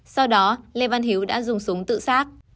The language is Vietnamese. sau đó lê văn hiếu đã dùng súng tự sát